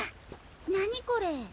何これ。